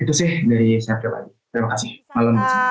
itu sih dari saya kepada pak mabalil